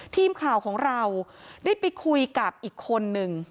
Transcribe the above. ทีมข่าวของเราได้ไปคุยกับอีกคนนึง